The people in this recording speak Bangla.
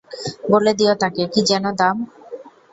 বলে দিও তাঁকে, কি যেন নাম?